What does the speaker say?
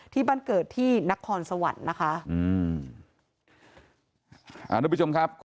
ที่บรรเกิดที่นครสวรรค์นะคะ